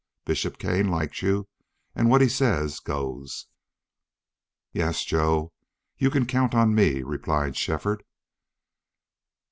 Bishop Kane liked you, and what he says goes." "Yes, Joe, you can count on me," replied Shefford.